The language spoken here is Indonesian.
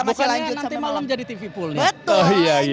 bukannya nanti malam jadi tv pool nih